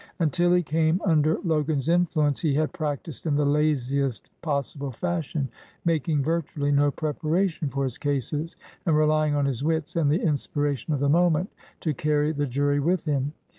Until he came under Logan's influence he had practised in the laziest 119 LINCOLN THE LAWYER possible fashion, making virtually no prepara tion for his cases, and relying on his wits and the inspiration of the moment to carry the jury with him.